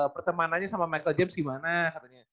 pertemanannya sama michael james gimana katanya